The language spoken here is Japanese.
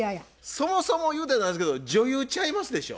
そもそも言うたらなんですけど女優ちゃいますでしょ？